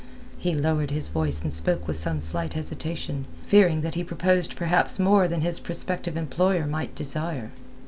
He lowered his voice and spoke with some slight hesitation, fearing that he proposed perhaps more than his prospective employer might desire.